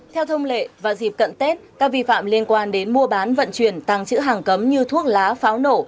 theo thông lệ và dịp cận tết các vi phạm liên quan đến mua bán vận chuyển tăng chữ hàng cấm như thuốc lá pháo nổ